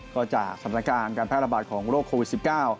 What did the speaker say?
ก็จากสถานการณ์การแพร่ระบาดของโรคโควิด๑๙